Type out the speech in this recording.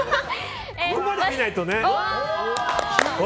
ここまで見ないとね。